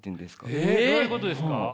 どういうことですか？